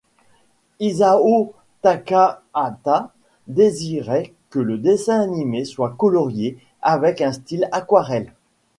Isao Takahata désirait que le dessin animé soit colorié avec un style aquarelle.